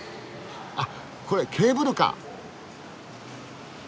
あっこれケーブルカー！